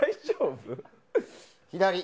左！